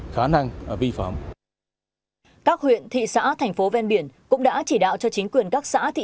khả năng vi phạm các huyện thị xã thành phố ven biển cũng đã chỉ đạo cho chính quyền các xã thị